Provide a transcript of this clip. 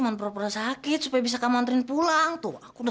sampai jumpa di video selanjutnya